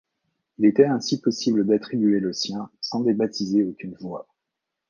Il était ainsi possible d'attribuer le sien sans débaptiser aucune voie.